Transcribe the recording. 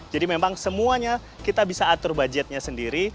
jadi memang semuanya kita bisa atur budgetnya sendiri